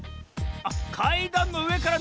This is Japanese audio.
あっかいだんのうえからなおすのね。